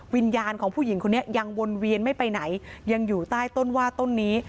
วิญญาณของผู้หญิงคนนี้ยังวนเวียนไม่ไปไหนยังอยู่ใต้ต้นว่าต้นนี้